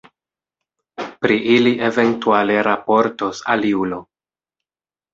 Pri ili eventuale raportos aliulo.